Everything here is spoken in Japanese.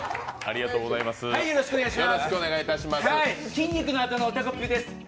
筋肉のあとのおたこぷーです。